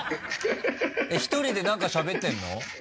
１人で何かしゃべってるの？